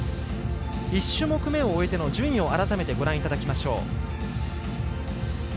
１種目めを終えての順位を改めてご覧いただきましょう。